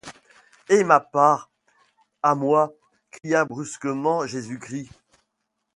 Et ma part, à moi! cria brusquement Jésus-Christ.